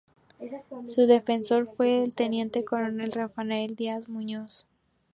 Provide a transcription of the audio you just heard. Su defensor fue el teniente coronel Rafael Díaz Muñoz.